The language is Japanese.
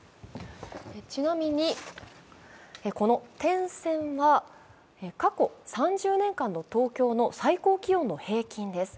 ちなみに、この点線は過去３０年間の東京の最高気温の平均です。